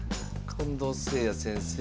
近藤誠也先生。